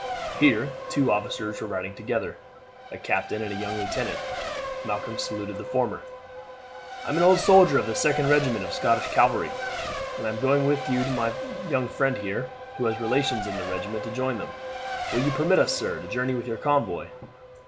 Here two officers were riding together, a captain and a young lieutenant. Malcolm saluted the former. "I am an old soldier of the 2d Regiment of Scottish Calvary, and am going with my young friend here, who has relations in the regiment, to join them. Will you permit us, sir, to journey with your convoy?